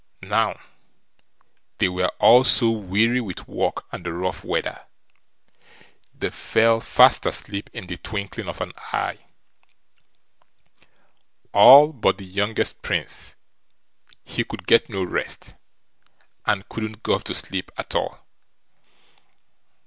Now, they were all so weary with work and the rough weather, they fell fast asleep in the twinkling of an eye; all but the youngest Prince, he could get no rest, and couldn't go off to sleep at all.